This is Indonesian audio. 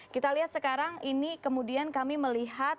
kita lihat sekarang ini kemudian kami melihat